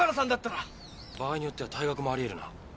場合によっては退学もあり得るな。